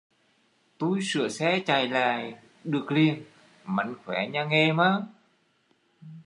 Tui sửa xe chạy lại được liền, mánh khóe nhà nghề mà